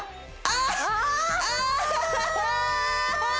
あ！